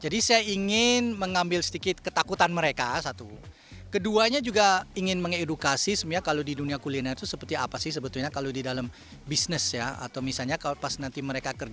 dan teknologi yang terus update